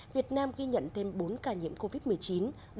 việt nam ghi nhận thêm bốn ca nhiễm covid một mươi chín